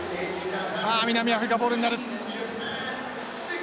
あ南アフリカボールになる。